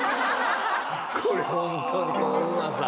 これホントにこのうまさ。